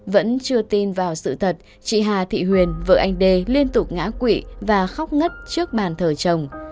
vẫn chưa tin vào sự thật chị hà thị huyền vợ anh đê liên tục ngã quỵ và khóc ngất trước bàn thờ chồng